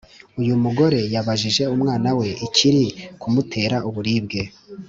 uyu mugore yabajije umwana we ikiri kumutera uburibwe